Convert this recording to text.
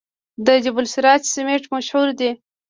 د جبل السراج سمنټ مشهور دي